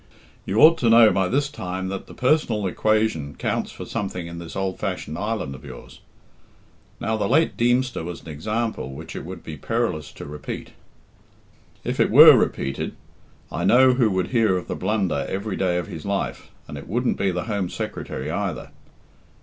You ought to know by this time that the personal equation counts for something in this old fashioned island of yours. Now, the late Deemster was an example which it would be perilous to repeat. If it were repeated, I know who would hear of the blunder every day of his life, and it wouldn't be the Home Secretary either.